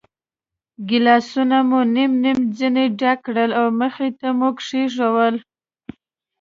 ګیلاسونه مو نیم نیم ځنې ډک کړل او مخې ته مو کېښوول.